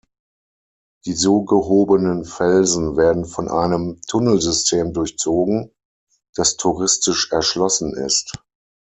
Die so gehobenen Felsen werden von einem Tunnelsystem durchzogen, das touristisch erschlossen ist.